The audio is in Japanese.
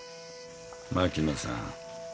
槙野さん。